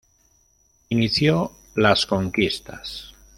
Inició las conquistas.